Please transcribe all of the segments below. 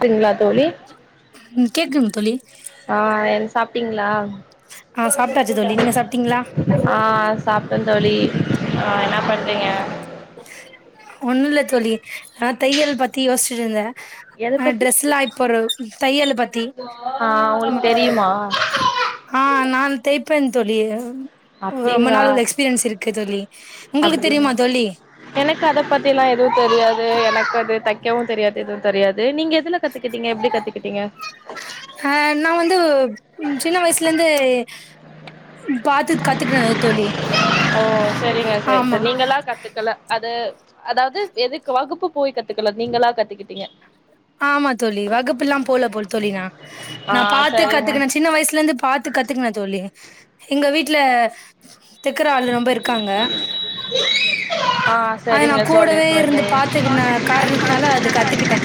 கிங்ளா தோழி ம் கேக்குதுங்க தோழி ஆ என் சாப்டீங்ளா ஆ சாப்ட்டாச்சு தோழி நீங்க சாப்ட்டீங்களா ஆ சாப்ட தோழி ஆ என்ன பண்றீங்க ஒன்னுல்ல தோழி நா தையல் பத்தி யோஸ்ட்டு இந்தே எத அ பத்தி ட்ரெஸ்ல்லா இப்பொரு தையலு பத்தி ஆ உங்களுக்கு அமா தெரியுமா ஆ நான் தைப் ப்பன் தோழி ரொம்ப அப்டிங்களா நாள் எக்ஸ்பீரியன்ஸ் இருக்கு தோழி உங்களுக்கு அப்டிங் தெரியுமா தோழி எனக்கு அத பத்தில்லா எதுவு தெரியாது எனக்கு அது தக்கவு தெரியாது எது தெரியாது நீங்க எதுல கத்துகிட்டிங்க எப்டி கத்துகிட்டிங்க அ நா வந்து சின்ன வயசுலந்து ஓ செரிங்க செரி ஆமா செரி நீங்கலா கத்துக்கல அது அதாவது எதுக்கு வகுப்பு போய் கத்துக்கல நீங்களா கத்துகிட்டிங்க ஆமா தோழி வகுப்புல்லாம் போல போல் தோழி நா ஆ நா பாத்து சரிங்க கத்துகுன சின்ன வய்ஸ்லந்து பாத்துக் கத்துகுன தோழி எங்க வீட்ல தெக்கர ஆள் ரொம்ப இருக்காங்க ஆ அது நா சரிங்க தோழி கூடவே இருந்து சரி பாத்துக்குன காரணத்னால அது கத்துகிட்டே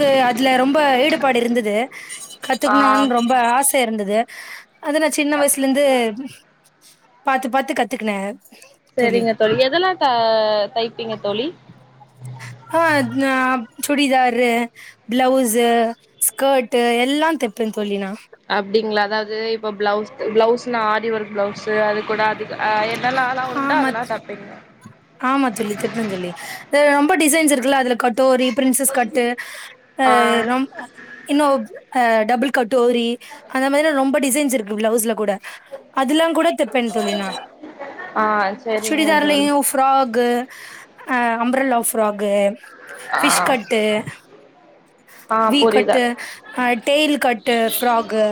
கு அதுல ரொம்ப ஈடுபாடு இருந்தது ஆ கத்துக்குணுன் ரொம்ப ஆச இருந்தது அது நா சின்ன வய்ஸ்லந்து பாத்து பாத்து கத்துகுன செரிங்க தோழி எதலா த தைப்பிங்க தோழி ஆ நா சுடிதாரு பிளவுஷு ஸ்கேர்ட்டு எல்லாந் தப்பேந் அப்டிங்ளா அதாவது இப்ப பிளவுஸ் பிளவுஸ்னா ஆரி ஒர்க் பிளவுஸ்சு அது கூட அதுக்கு அ எ ஆமா ஆமா சொல்லுக்கதான் தோழி இப்ப டிசைன்ஸ் இருக்குல்ல அதுல கட்டோரி பிரின்சஸ் கட்டு ஆ ஆஹ் ரொம் இன்னும் ஆ டபுள் கட்டோரி அந்த மாதிரிலாம் ரொம்ப டிசைன்ஸ் இருக்கு பிளவுஸ்ல கூட அதெல்லாம் கூட தப்பேன் தோழி நா ஆ செரிங்க தோழி சுடிதார்லையும் ஃபிராக்கு ஆ அம்பர்லா ஃப்ராகு ஆ ஃபிஷ் கட்டு ஆ வி புரியுது கட்டு ஆ டெயில் கட்டு ஃப்ராகு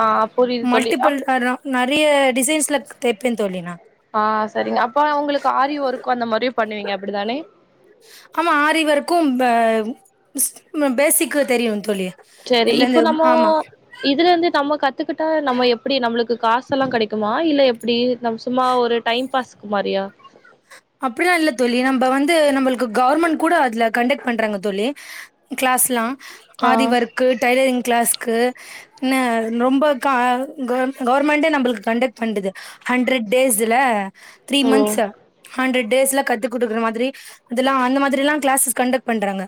ஆ புரியுது தோழி மல்டிபிள் அப் கல நிறைய டிசைன்ஸ்ல தைப்பேன் தோழி நா ஆ சரிங்க அப்பனா உங்களுக்கு ஆரி ஒர்க் அந்த மாதிரியும் பண்ணுவீங்க அப்டிதானே ஆமா ஆரி ஒர்க்கும் பேசிக்கு தெரியும் தோழி சேரி அதுல இப்ப இந்த நம்ம ஆமா இதுல இருந்து நம்ம கத்துக்கிட்டா நம்ம எப்படி நம்மளுக்கு காசெல்லாம் கிடைக்குமா இல்ல எப்படி நம் சும்மா ஒரு டைம் பாஸ் மாறியா அப்டிலாம் இல்ல தோழி நம்ம வந்து நம்மளுக்கு கவர்மெண்ட் கூட அதுல கண்டக்ட் பண்றாங்க தோழி கிளாஸ்ல்லாம் ஆ ஆரி ஓர்க்கு டைலரிங் கிளாஸ்க்கு ரொம்ப என்ன ரொம்ப க கவர்மெண்டே நம்மளுக்கு கண்டக்ட் பண்ணுது ஹண்ரெட் டேஸ்ல த்ரீ ம் மந்த்ஸ் ஹண்ட்ரட் டேஸ்ல கத்து குடுக்குற மாதிரி அதெல்லாம் அந்த மாதிரி எல்லாம் கிளாஸ் சஸ் கண்டக்ட் பண்றாங்க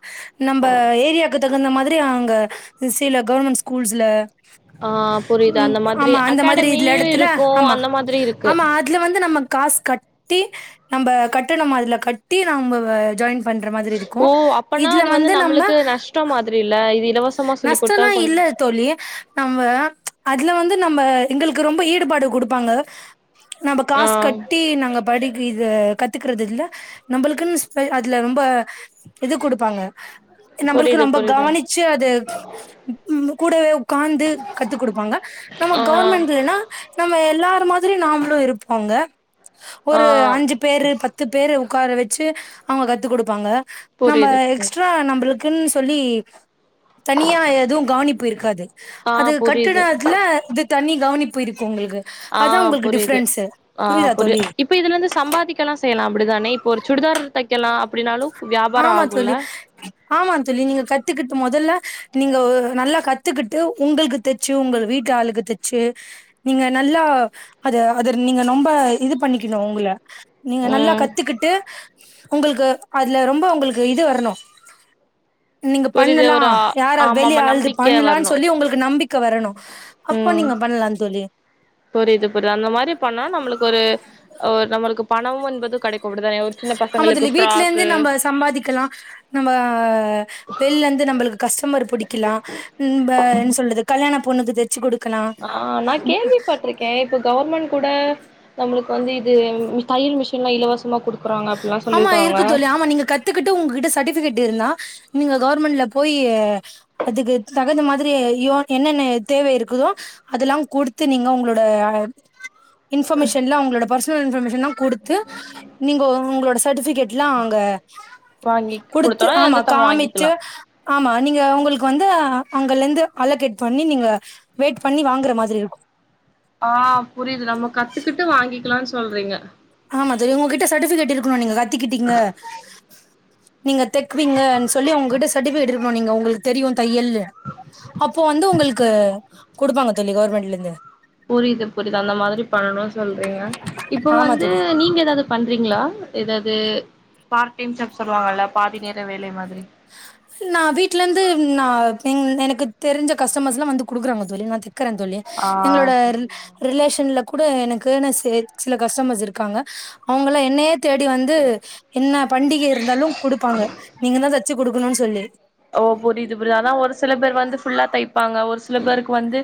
நம்ம ஏரியாவுக்கு தகுந்த மாதிரி அங்க சில கவர்மெண்ட் ஸ்கூல்ஸ்ல ஆ புரியுது. ம் அந்த மாதிரி ஆமா அந்த மாதிரி இதுல அகாடமியும் இடத்துல இருக்கும். ஆமா அந்த மாதிரி இருக்கு. ஆமா அதுல வந்து நம்ம காசு கட்டி நம்ம கட்டணுமா அதுல கட்டி நம்ம ஜாயின் பண்ற மாதிரி ஓ! இருக்கும் அப்பனா இதுல அது வந்து நம்ம நம்மளுக்கு நஷ்டம் மாதிரி இல்ல. இது இலவசமா சொல்லிக் நஷ்டம் குடுத்தா எல்லாம் இல்ல கொஞ்சம் தோழி நம்ம அதுல வந்து நம்ம எங்களுக்கு ரொம்ப ஈடுபாடு குடுப்பாங்க நம்ம ஆ காசு கட்டி நாங்க படிக்கு இது கத்துக்கறதுல நம்மளுக்குன் அதுல ரொம்ப இது குடுப்பாங்க நம்மளுக்கு புரியுது, ரொம்ப புரியுது. கவனிச்சு அது கூடவே உக்காந்து கத்துக் குடுப்பாங்க நம்ம ஆ, கவர்மெண்ட்லனா நம்ம எல்லா இந்த மாதிரி நாம்ளும் இருப்போங்க ஆ ஒரு அஞ்சு பேரு பத்து பேரு உக்கார வச்சு அவங்க கத்து குடுப்பாங்க நம்ம புரியுது. எக்ஸ்ட்ரா நம்மளுக்குன் சொல்லி தனியா எதும் கவனிப்பு இருக்காது ஆ அது புரியுது. கட்டுனத்துல இது தனி கவனிப்பு இரு ஆஹ் புரியுது ஆஹ் புரியுதா புரி தோழி இப்ப இதுல இருந்து சம்பாதிக்கலாம் செய்யலாம் அப்டிதானே இப்ப ஒரு சுடிதார் தைக்கலாம் அப்டின்னாலும் வியாபாரம் ஆமா ஆகும்ல? தோழி ஆமா தோழி நீங்க கத்துக்கிட்டு முதல்ல நீங்க ஒ நல்லா கத் த்துக்குட்டு உங்களுக்கு தச்சு உங்க வீட்டு ஆளுக்கு தச்சு நீங்க நல்லா அத அத நீங்க ரொம்ப இது பண்ணிக்கணும் உங்கள நீங்க நல்லா ம். கத்துக்கிட்டு உங்களுக்கு அதுல ரொம்ப உங்களுக்கு இது வரணும் நீங்க புரியுது. பண்ணலாம் ஒரு யாரா வெளிய ஆமாமா அழுது நம்பிக்கை பண்ணலான் வரணும். சொல்லி உங்களுக்கு நம்பிக் அப்ப ம். நீங்க பண்ணலான் தோழி புரியுது புரி அந்த மாரி பண்ணா நம்மளுக்கு ஒரு நம்மளுக்கு பணம் என்பது கடைக்கும் அப்டிதான ஆமா தோழி வீட்டு்ல இருந்து நம்ம சம்பாதிக்கலாம் நம்ம வெள்ல இருந்து நம்மளுக்கு கஷ்ட ம்மர் பிடிக்கலாம் இன்ப என்ன சொல்றது கல்யாண பொண்ணுக்கு தைச்சு குடு ஆஹ் நான் கேள்விப்பட்டுருக்கேன் இப்ப கவர்மெண்ட் கூட நம்மளுக்கு வந்து இது தயல் மிஷன் சும்மா இலவசமா குடு ஆமா இருக்கு தோழி ஆமா நீங்க கத்துக்குட்டு உங்ககிட்ட சர்டிபிகேட் இருந்தா நீங்க கவர்மெண்ட்ல போயி அதுக்கு தகுந்த மாதிரி யோன் என்னென்ன தேவை இருக்குதோ அதெல்லாம் குடுத்து நீங்க உங்களோட ஆஹ இன்ஃபர்மேஷன்லாம் உங்களோட பர்சனல் இன்ஃபர்மேஷன்லாம் குடுத்து நீங்க உங்களோட சர்டிஃபிகேட்லாம் அங்க வாங்கி குடுத்து குடுத்தோனா ஆமா வந்து தம் காமிச்சு வாங்கிக்கலா ஆமா நீங்க உங்களுக்கு வந்து அங்கலந்து அலகேட் பண்ணி நீங்க வெயிட் பண்ணி வாங்கற மாதிரி இருக்கு ஆ புரியிது நம்ம கத்துக்கிட்டு வாங்கிக்கலான் சொல்றீங்க ஆமா தோழி உங்ககிட்ட சர்டிபிகேட் இருக்கணு நீங்க கத்துக்கிட்டீங்க நீங்கத் தெக்குவீங்கன் சொல்லி அவுங்க கிட்ட சர்டிபிகேட்ருக்கணு நீங்க உங்களுக்கு தெரியு தையல்லு அப்போ வந்து உங்களுக்கு குடுப்பாங்க தோழி கவுர்மெண்ட்லந்து புரிது புரிது அந்த மாதிரி பண்ணணு சொல்றீங்க இப்ப ஆமா வந்து தோழி நீங்க ஏதாது பண்றீங்ளா ஏதாத் து பார் டைம் சம் சொல்லுவாங்கல்ல பாதி நேர வேலை மாதிரி நா வீட்லந்து நா எனக்கு தெரிஞ்ச கஸ்டமர்ஸ்ல்லா வந்து குடுக்குறாங்க தோழி நா தெக் குற தோழி ஆ எங்களோட சரிங்க ரிலேஷன்லக் கூட எனக்குனு சே சில கஸ்டமர்ஸ் இருக்காங்க அவுங்கள என்னைய தேடி வந்து என்ன பண்டிக இருந்தாலு குடுப்பாங்க நீங்க தா தச்சி குடுக்கணுன் சொல்லி ஓ புரிது புரிது அதா ஒரு சில பேர் வந்து ஃபுல்லா தெய்ப்பாங்க ஒரு ஸ் சில பேருக்கு வந்து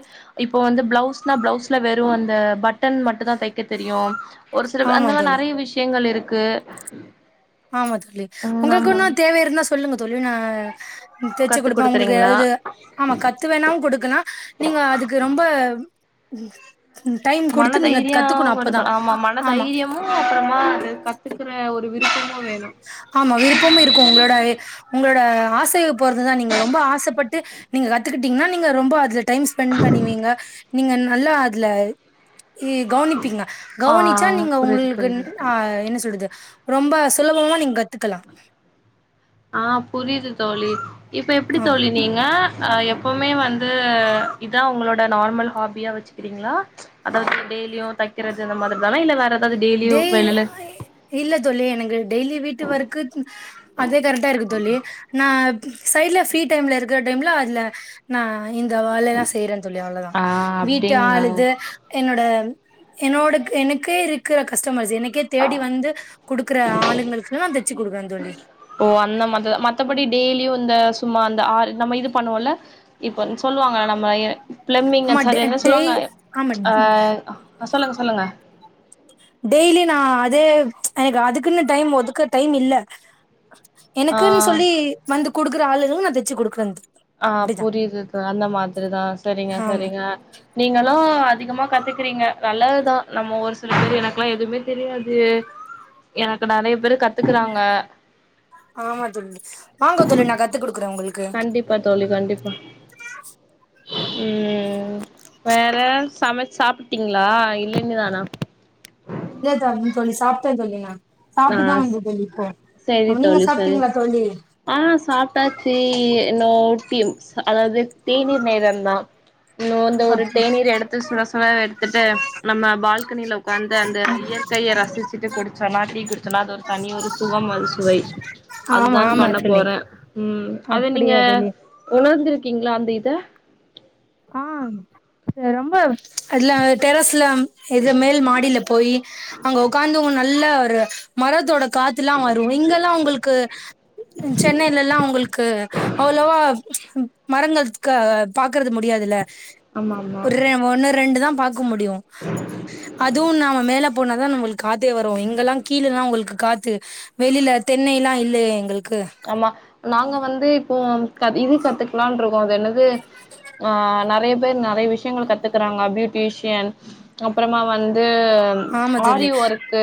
இப்போ வந்து பிளவுஸ்னா பிளவுஸ்ல வெறு அந்த பட்டன் மட்டுந்தா தெக்க தெரியு ஒரு சில அ அந்த ஆமா மாரி தோழி நெறைய விஷயங்கள் இருக்கு ஆமா தோழி ம் ஆமா உங்களுக்கொன்னோ தேவ இருந்தா சொல்லுங்க தோழி நா ம் தெச்சி கத்து கொடுப்ப உங்களுக்கு குடுக்குறீங்களா ஏதாவுது ஆமா கத்து வேணாவு குடுக்கலா நீங்க அதுக்கு ரொம்ப டைம் மன குடுத்து நீங்க தைரியோ கத்துக்கணு அப்பதா கொடுக்கணு ஆமா மன ஆமா தைரியமு அப்புறமா அது கத்துக்குற ஒரு விருப்பமு வேணு ஆமா விருப்பமே இருக்கு உங்களோட உங் களோட ஆசைகள் போறுத்து தா நீங்க ரொம்ப ஆசப்பட்டு நீங்க கத்துக்கிட்டீங்ன்னா நீங்க ரொம்ப அது டைம் ஸ்பெண்ட் பண்ணுவீங்க நீங்க நல்லா அதுல இ கவுனிப்பீங்க ஆ கவ்னிச்சா நீங்க புரியுது உங்களுக்கு புரியுது அ என்ன சொல்றது ரொம்ப சொலபமா நீங் கத்துக்கலா ஆ புரிது தோழி இப்ப எப்டி ஆ தோழி நீங்க அ எப்போமே வந்து இதா உங்களோட நார்மல் ஹாபியா வெச்சிக்குறீங்ளா அதாவுது வே டெய்லியு தெக்கறது இந்த மாதிரி தானா இல்ல வேற எத் டெய் இல்ல தோழி எனக்கு டெய்லி வீட்டு ஒர்க்கு [inaudible] அதே கரெக்டாருக்கு தோழி நா சைட்ல ஃப்ரீ டைம்ல இருக்குற டைம்ல அதுல நா அ இந்த வேலல்லா செய்ற தோழி அவ்ளதா ஆ வீட்ட அப்டிங்களா? ஆளுது என்னோட என்னோடக்கு எனக்கே இருக்குற கஸ்டமர்ஸ் எனக்கே தேடி வந்து குடுக்குற ஆளுங்களுக்குல்லா தெச்சி குடுக்கற தோழி ஓ அந்த மாத மத்தபடி டெய்லியு இந்த சும்மா அந்த ஆள் நம்ம இது பண்ணுவோல்ல இப்ப சொல்லுவாங்க நம்மள எ பிளம்பிங்கா ஆமா சாரி டெ என்ன டெய் சொல்லுவாங்க ஆமா அ சொல்லுங்க சொல்லுங்க டெய்லியு நா அது எனக்கு அதுக்குன்னு டைம் ஒதுக்க டைம் இல்ல எனக்குன் ஆ சொல்லி வந்து குடுக்குற ஆளுகளுக்கு நா தெச்சி குடுக்குற தோழி அ புரிதுகா அந்த மாதிரிதா செரிங்க ஆமா செரிங்க நீங்களு அதிகமா கத்துக்குறீங்க நல்லதுதா நம்ம ஒரு சில பேர் எனக்குல்லா எதுமே தெரியாது எனக்கு நெறைய பேரு கத்துக்குறாங்க ஆமா தோழி வாங்க தோழி நா கத்து குடுக்குறே உங்களுக்கு கண்டிப்பா தோழி கண்டிப்பா ம் வேற சமச் சாப்புட்டீங் ங்களா இல்ல இனிதானா இல்ல தோழி தோழி சாப்ட்ட தோழி நா ஆ சாப்ட்டுதா வந்த தோழி இப்போ செரி நீங்க தோழி செரி சாப்ட்டீங்களா தோழி ஆ சாப்ட்டாச்சி இன்னோர் அ அதாவது தேநீர் நேரந்தா இன்னோ அந்த ஒரு தேநீர் எடுத்து சுட சுட எடுத்துட்டு நம்ம பால்கனில உக்காந்து அந்த இய யற்கைய ரசிச்சிட்டு குடிச்சோம்னா டீ குடிச்சோனா அது ஒரு தனி ஒரு சுகம் அறு சுவை ஆமா அதுதான் ஆமா பண்ண தோழி போற ம் அது நீங்க அப்படியா தோழி உணர்ந்திருக் கீங்ளா அந்த இத ஆ ரொம்ப அதுல டெரஸ்ல இது மேல் மாடியில போய் அங்க உக்காந்தவங்க நல்ல ஒரு மரத்தோட காத்துல்லா வரு இங்கெல்லா உங்களுக்கு அ சென்னேல்லல்லா அவுங்களுக்கு அவ்ளோவா மரங்கள் க பாக்கறது முடியாதுல்ல ஆமா ஆமா ஒரு ரெ ஒன்னு ரெண்டு தா க்கு முடியு அதுவு நாம மேல போனாதா நம்மளுக்கு காத்தே வரு எங்கெல்லா கீழேல்லா உங்களுக்கு காத்து வெளில தென்னையில்லா இல்லயே எங்களுக் ஆமா நாங்க வந்து இப்போ க இது கத்துக்கலான்ட்ருக்கோ அது என்னது ஆ நறைய பேரு நறைய விஷ்யங்கள கத்துக்கறாங்க பியூட்டிஷியன் அப்பறமா வந்து ஆமா இது ஆரி தோழி ஒர்க்கு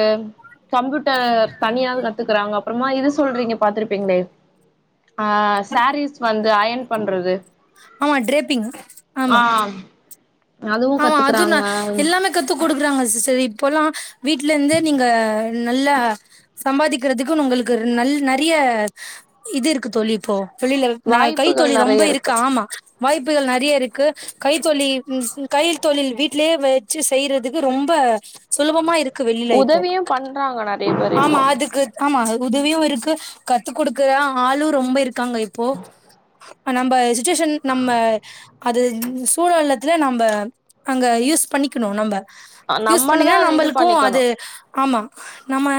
கம்ப்யூட்டர் தனியாவே கத்துக்கறாங்க அப்புறமா இது சொல்றீங்க பாத்துருப்பீங்ளே ஆ சாரீஸ் வந்து அயன் பண்றது ஆமா ட்ரேப்பிங் ஆ ஆமா அதுவு ஆமா அது நா கத்துக்குறாங்க எல்லாமே கத்து குடுக்கறாங்க சிஸ்டர் இப்போல்லா வீட்லருந்தே நீங்க நல்லா சம்பாதிக்கிறதுக்குன்னு உங்களுக்கு நல் நறைய இதுருக்கு தோழி இப்போ தொழில்லு நா வாய்ப்புகள் கைத்தொழில் ரொம்ப நெறைய இருக்கு ஆமா வாய்ப்புகள் நறையருக்கு கைத்தொழி ம் ம் கைத்தொழில் வீட்லயே வெச்சு செய்றதுக்கு ரொம்ப சுலபமா இருக் கு வெளில இப்ப உதவியு பண்றாங்க நெறைய பேர் ஆமா இப்போ அதுக்கு ஆமா அது உதவியுருக்கு கத்து குடுக்க ஆளு ரொம்ப இருக்காங்க இப்போ நம்ப சிச் சுச்சுஷேன் நம்ப அது சூழல்லத்திலயு நம்ப அங்க யூஸ் பண்ணிக்கணு நம்ப யூஸ் நம்மளதா பண்ணீங்ன்னா அது இது நம்பளுக்கு பண்ணிக்கணு அது ஆமா நம்ம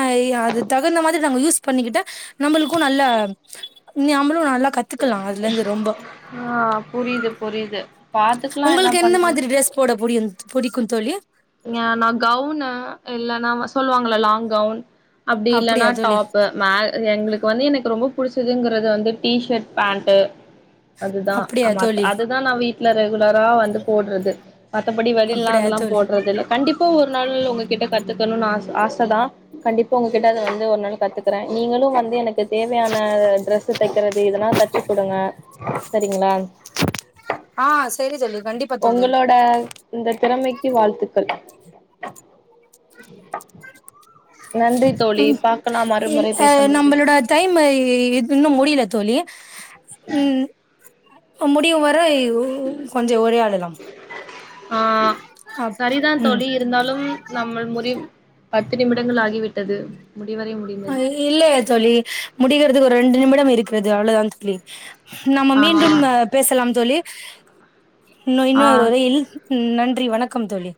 அது தகுந்த மாதிரி ல்ல அவுங்க யூஸ் பண்ணிக்கிட்டா நம்பளுக்கு நல்ல நியாம்ப ளு நல்லா கத்துக்கலா அதுலருந்து ரொம்போ ஆ புரியுது புரியுது பாத்துக்கலா என்ன பண்ற அ புடியு புடிக்கியு தோழி ஞியா நா கவுனு இல்லன்னா வ சொல்லுவாங்ஙளா லாங் கவுன் அப்டி இல்லன்னா அப்படியா தோழி டாப்பு ம எங்ளுக் இப்போ வந்து எனக்கு ரொம்ப புடிச்சதுங்கறது வந்து டிஷர்ட் பேண்ட் அதுதா அப்படியா ஆமா தோழி அதுதா நா வீட்லருக் ரெகுலரா வந்து போடுறது மத்தபடி வெளில்லா அப்படியா அதெல்லா போ தோழி டறதில்ல கண்டிப்பா ஒரு நாள் உங்ககிட்ட கத்து க்கணுன் ஆச ஆச தா கண்டிப்பா உங்ககிட்ட அத வந்து ஒரு நாள் கத்துக்கறே நீங்களு வந்து எனக் த தேவையான டிரெஸு தைக்கறது இதெல்லா தைச்சு குடுங்க செரிங்ளா ஆ சரி தோழி கண்டிப்பா தோழி உங்களோட இந்த திறமைக்கி வாழ்த்துக்கள் நன்றி [unintelligible] தோழி ம் பாக்கலாம் இ மறுமுறை பேசும்போது நம்மளோட டைமு இன்னு முடியல தோழி ம் முடியு வரை உ உ கொஞ்சோ உரையாடலாம் ஆ அப் சரிதா ம் தோழி இருந்தாலும் நம்முள் முறி பத்து நிமிடங்கள் ஆகிவிட்டது முடிவரை அ முடிந்தது இல்லையே தோழி முடிக்கிறதுக்கு ஒரு ரெண்டு நிமிடம் இருக்கிறது அவ்ளோதா தோழி நம்ம ஆ மீண்டும் அ பேசலாம் தோழி இன்னொ ஆ இன்னொரு ஒரையில் நன்றி வணக்கம் தோழி